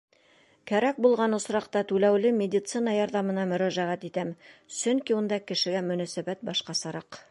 Кәрәк булған осраҡта түләүле медицина ярҙамына мөрәжәғәт итәм, сөнки унда кешегә мөнәсәбәт башҡасараҡ.